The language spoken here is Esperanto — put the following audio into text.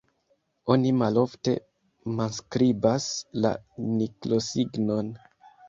Oni malofte manskribas la siklosignon.